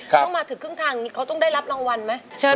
ต้องมาถึงครึ่งทางนี้เขาต้องได้รับรางวัลไหมเชิญ